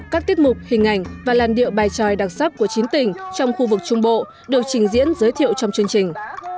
các tiết mục hình ảnh và làn điệu bài tròi đặc sắc của chín tỉnh trong khu vực trung bộ được trình diễn giới thiệu trong chương trình